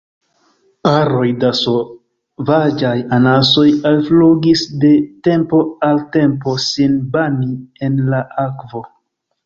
Aroj da sovaĝaj anasoj alflugis de tempo al tempo sin bani en la akvo.